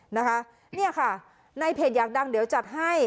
นะคะเนี่ยค่ะในเพจอยากดังเดี๋ยวจัดให้